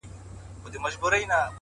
د حقیقت لاره که اوږده وي روښانه وي